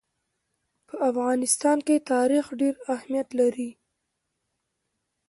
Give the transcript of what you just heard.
په افغانستان کې تاریخ ډېر اهمیت لري.